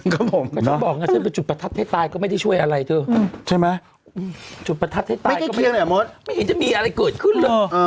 ก็ชอบบอกว่าฉันไปจุดประทับให้ตายก็ไม่ได้ช่วยอะไรจุดประทับให้ตายก็ไม่เห็นจะมีอะไรเกิดขึ้นเลย